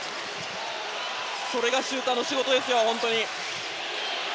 それがシューターの仕事ですよ。